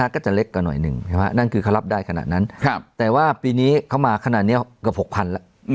ก็จะเล็กกว่าหน่อยหนึ่งใช่ไหมนั่นคือเขารับได้ขนาดนั้นแต่ว่าปีนี้เขามาขนาดนี้เกือบ๖๐๐๐แล้ว